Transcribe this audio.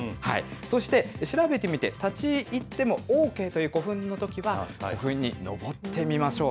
そして、調べてみて、立ち入ってもＯＫという古墳のときは、古墳に登ってみましょう。